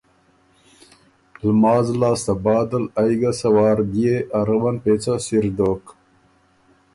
لماز لاسته بعدل ائ ګه سۀ وار بيې ا روّن پېڅه سِر دوک